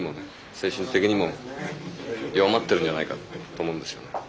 精神的にも弱まってるんじゃないかと思うんですよね。